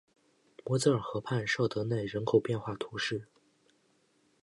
摩泽尔河畔绍德内人口变化图示